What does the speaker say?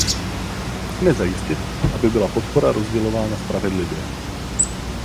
Musíme zajistit, aby byla podpora rozdělována spravedlivě.